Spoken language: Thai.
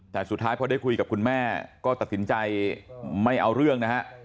แต่สุดท้ายพอได้คุยกับคุณแม่ก็ตัดสินใจไม่เอาเรื่องนะฮะ